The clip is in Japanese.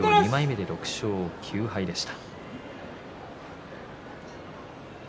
西の十両２枚目で６勝９敗でした。